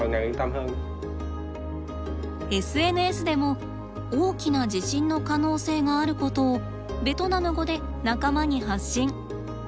ＳＮＳでも大きな地震の可能性があることをベトナム語で仲間に発信。